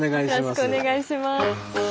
よろしくお願いします。